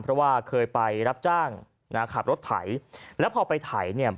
เพราะว่าเคยไปรับจ้างนะขับรถไถแล้วพอไปไถเนี่ย